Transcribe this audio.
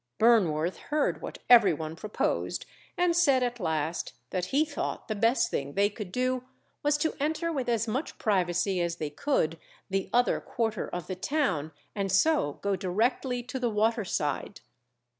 Burnworth heard what every one proposed, and said at last, that he thought the best thing they could do was to enter with as much privacy as they could, the other quarter of the town, and so go directly to the waterside.